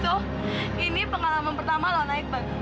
so ini pengalaman pertama lo naik bus